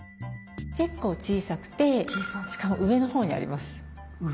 結構小さくてしかも上のほうにあります。